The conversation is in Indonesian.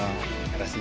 jadi nggak usah